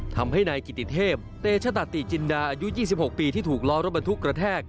ทำให้นายกิติเทพเตชตะติจินดาอายุ๒๖ปีที่ถูกล้อรถบรรทุกกระแทก